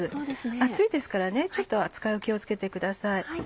熱いですからちょっと扱いを気を付けてください。